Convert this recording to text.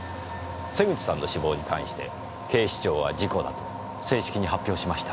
瀬口さんの死亡に関して警視庁は事故だと正式に発表しました。